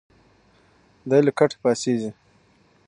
دی له کټه پاڅېږي.